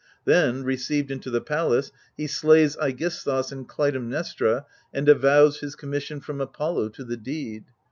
Then, received into the palace, he slays ^gisthus and Clytemnestra, and avows his commission from Apollo to the deed.